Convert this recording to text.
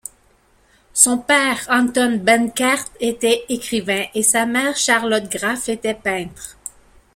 Son père, Anton Benkert, était écrivain et sa mère, Charlotte Graf, était peintre.